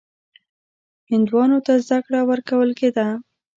هندوانو ته زده کړه ورکول کېده.